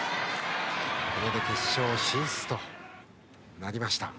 これで決勝進出となりました。